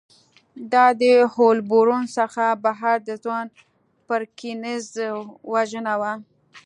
دا د هولبورن څخه بهر د ځوان پرکینز وژنه وه